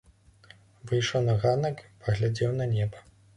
Выйшаў на ганак, паглядзеў на неба.